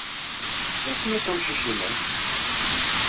Isem-nnes umcic-nnem?